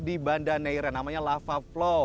di banda neira namanya lava flow